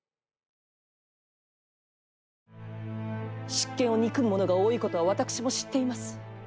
執権を憎む者が多いことは私も知っています。